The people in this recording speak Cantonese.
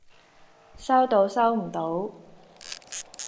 收到收唔到